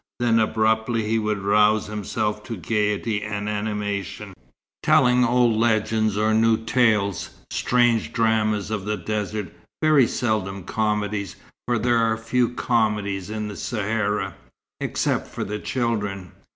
Then, abruptly, he would rouse himself to gaiety and animation, telling old legends or new tales, strange dramas of the desert, very seldom comedies; for there are few comedies in the Sahara, except for the children.